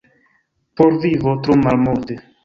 Por vivo tro malmulte.